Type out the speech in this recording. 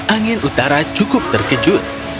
angin utara cukup terkejut